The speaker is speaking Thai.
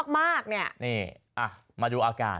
มาดูอาการ